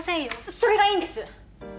それがいいんです